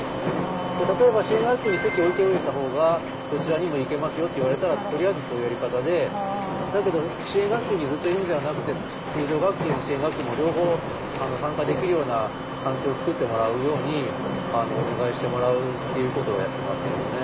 例えば「支援学級に籍置いておいた方がどちらにも行けますよ」って言われたらとりあえずそういうやり方でだけど支援学級にずっといるんではなくて通常学級も支援学級も両方参加できるような環境を作ってもらうようにお願いしてもらうっていうことをやってますけどね。